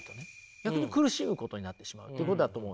逆に苦しむことになってしまうということだと思うんです。